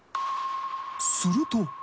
すると。